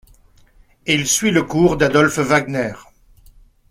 Il suit le cours d'Adolph Wagner.